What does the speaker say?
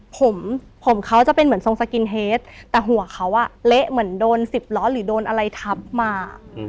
ผมผมเขาจะเป็นเหมือนทรงสกินเฮดแต่หัวเขาอ่ะเละเหมือนโดนสิบล้อหรือโดนอะไรทับมา